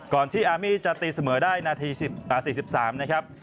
ที่อาร์มี่จะตีเสมอได้นาที๔๓นะครับ